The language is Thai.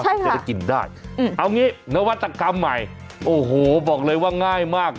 จะได้กินได้เอางี้นวัตกรรมใหม่โอ้โหบอกเลยว่าง่ายมาก